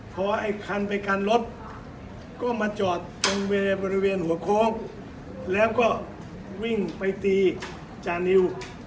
พอไอ้คันไปกันรถก็มาจอดตรงเวย์บริเวณหัวโค้งแล้วก็วิ่งไปตีจานิว